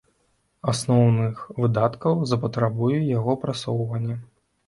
Асноўных выдаткаў запатрабуе яго прасоўванне.